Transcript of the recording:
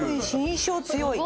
「印象強い」。